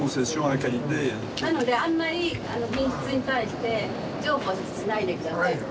なのであんまり品質に対して譲歩しないで下さいと。